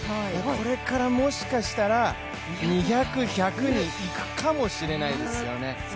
これからもしかしたら２００、１００に行くかもしれないですよね。